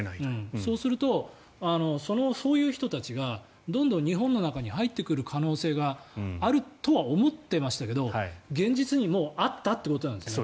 そうするとそういう人たちがどんどん日本の中に入ってくる可能性があるとは思っていましたけど現実にもうあったということなんですね。